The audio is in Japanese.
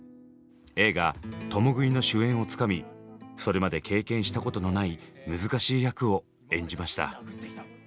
映画「共喰い」の主演をつかみそれまで経験したことのない難しい役を演じました。